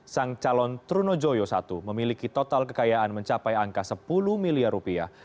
sang calon trunojoyo i memiliki total kekayaan mencapai angka sepuluh miliar rupiah